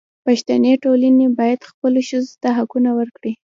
پښتني ټولنه باید خپلو ښځو ته حقونه ورکړي.